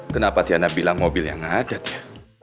kenapa tiana bilang mobil yang adat ya